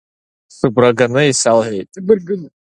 Сыгәра ганы исалҳәеит…